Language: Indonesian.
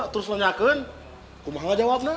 terus nanya kamu nggak jawab